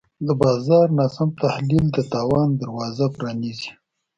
د بازار ناسم تحلیل د تاوان دروازه پرانیزي.